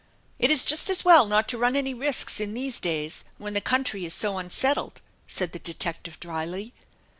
" It is just as well not to run any risks in these days when the country is so unsettled," said the detective dryly.